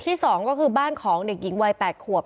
ทีมข่าวเราก็พยายามสอบปากคำในแหบนะครับ